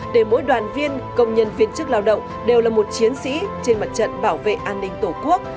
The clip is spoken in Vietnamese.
để mỗi đoàn viên công nhân viên chức lao động đều là một chiến sĩ trên mặt trận bảo vệ an ninh tổ quốc